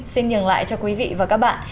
xin nhường lại cho quý vị và các bạn